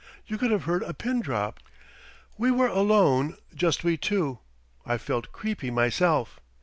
You could have heard a pin drop. We were alone, just we two. I felt creepy myself.